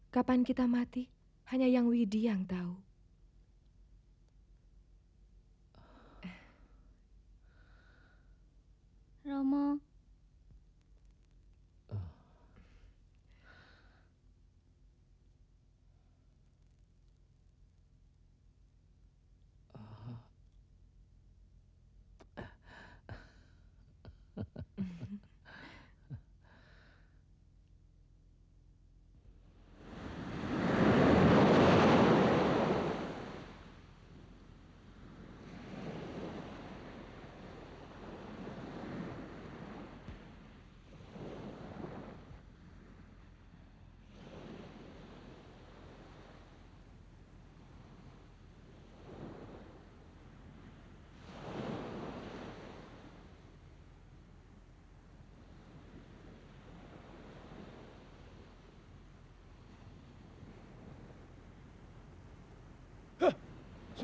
kapan kita mati hanya yang widi yang tahu